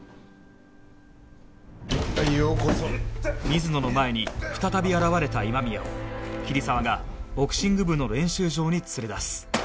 水野の前に再び現れた今宮を桐沢がボクシング部の練習場に連れ出す